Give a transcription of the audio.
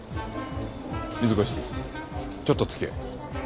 水越ちょっと付き合え。